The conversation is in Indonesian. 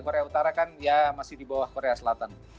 korea utara kan ya masih di bawah korea selatan